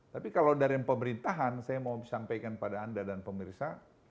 tapi kalau dari pemerintahan saya mau sampaikan pada anda dan pemirsa